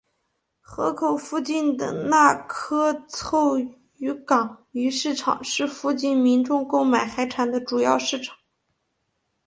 河口附近的那珂凑渔港鱼市场是附近民众购买海产的主要市场。